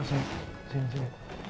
ya gak apa apa